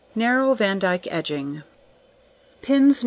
Narrow Vandyke Edging. Pins No.